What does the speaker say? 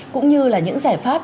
cũng như là những giải pháp